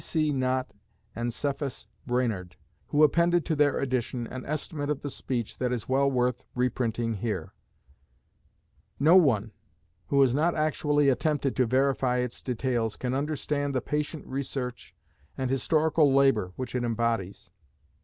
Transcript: C.C. Nott and Cephas Brainard, who appended to their edition an estimate of the speech that is well worth reprinting here: "No one who has not actually attempted to verify its details can understand the patient research and historical labor which it embodies.